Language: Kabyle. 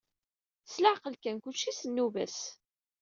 S leɛqel kan, kulci s nnuba-s.